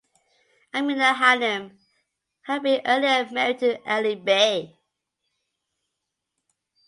Amina Hanim had been earlier married to Ali Bey.